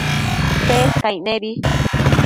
Tsescaic nebi